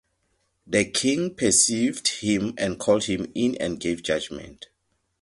The king perceived him and called him in and gave judgment.